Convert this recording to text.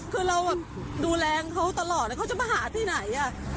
คือเราแบบดูแลเขาตลอดแล้วเขาจะมาหาที่ไหน